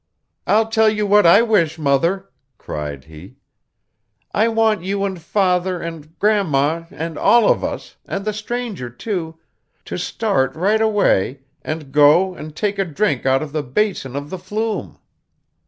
'I'll tell you what I wish, mother,' cried he. 'I want you and father and grandma'm, and all of us, and the stranger too, to start right away, and go and take a drink out of the basin of the Flume!